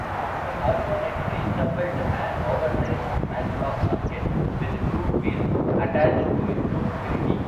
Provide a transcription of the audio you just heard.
The falconet resembled an oversized matchlock musket with two wheels attached to improve mobility.